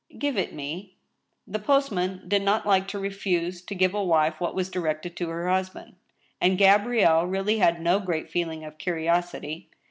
"Give it me." The postman did not like to refuse to give a wife what Was di rected to her husband. And Gabrielle really had no great feeling of curiosity.